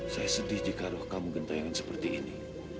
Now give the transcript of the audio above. saya sedih jika roh kamu gentayangan seperti ini